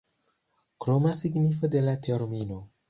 Kroma signifo de la termino.